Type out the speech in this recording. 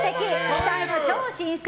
期待の超新星！